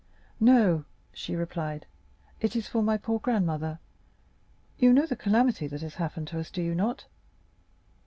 30325m "No," she replied, "it is for my poor grandmother. You know the calamity that has happened to us, do you not?"